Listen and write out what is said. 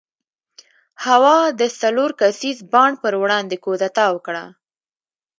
هوا د څلور کسیز بانډ پر وړاندې کودتا وکړه.